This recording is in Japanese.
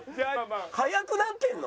速くなってるの？